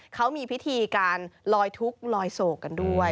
เขามีพิธีการลอยทุกข์ลอยโศกกันด้วย